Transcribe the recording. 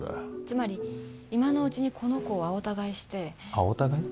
つまり今のうちにこの子を青田買いして青田買い？